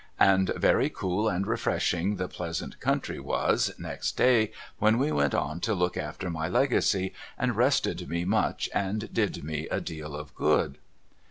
And very cool and refreshing the pleasant country was next day when we went on to look after my Legacy, and rested me much and did mc a deal of good.